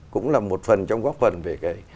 cũng là một phần trong góp phần về cái